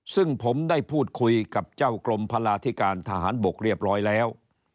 ซึ่งผมได้พูดคุยกับเจ้ากรมพลาธิการทหารบกเรียบร้อยแล้ว